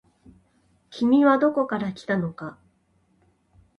君はどこから来たのか。